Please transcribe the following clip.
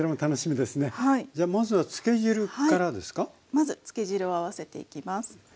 まずつけ汁を合わせていきます。